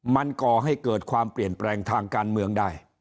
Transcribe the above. มันก่อให้เกิดความเปลี่ยนแปลงทางการเมืองได้